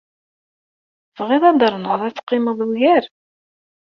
Tebɣiḍ ad ternuḍ ad teqqimeḍ ugar?